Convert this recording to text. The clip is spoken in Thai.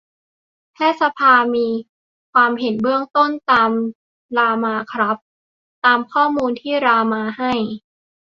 แพทยสภามีความเห็นเบื้องต้น ตามรามาครับ ตามข้อมูลที่รามาให้